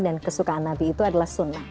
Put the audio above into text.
dan kesukaan nabi itu adalah sunnah